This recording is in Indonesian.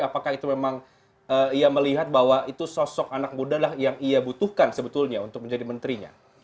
apakah itu memang ia melihat bahwa itu sosok anak muda lah yang ia butuhkan sebetulnya untuk menjadi menterinya